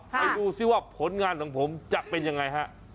ไปดูซิว่าผลงานของผมจะเป็นยังไงฮะ